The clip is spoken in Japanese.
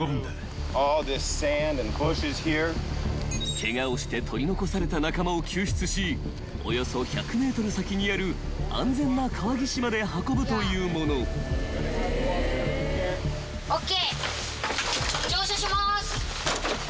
［ケガをして取り残された仲間を救出しおよそ１００ｍ先にある安全な川岸まで運ぶというもの］ＯＫ。